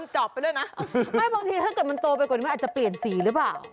จริงหรอ